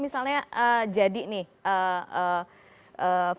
misalnya jadi nih